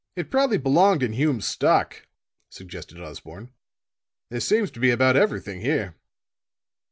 "It probably belonged in Hume's stock," suggested Osborne. "There seems to be about everything here."